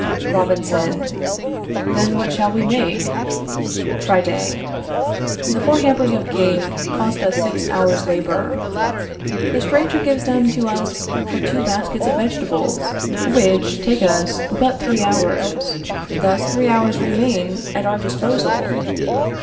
Robinson. Then what shall we make? Friday. The four hampers of game cost us six hours' labor. The stranger gives them to us for two baskets of vegetables, which take us but three hours. Thus three hours remain at our disposal.